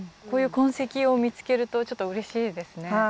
こういう痕跡を見つけるとちょっとうれしいですね。